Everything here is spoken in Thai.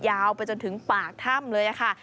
ยาวไปจนถึงปากถ้ำเลยค่ะ